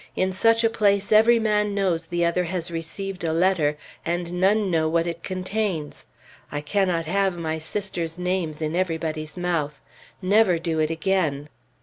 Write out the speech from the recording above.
In such a place every man knows the other has received a letter, and none know what it contains. I cannot have my sisters' names in everybody's mouth. Never do it again!"